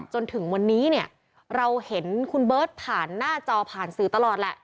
จนถึงวันนี้เนี่ยเราเห็นคุณเบิร์ตผ่านหน้าจอผ่านสื่อตลอดแหละ